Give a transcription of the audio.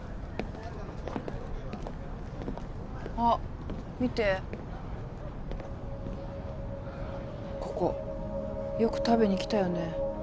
あ見てここよく食べに来たよね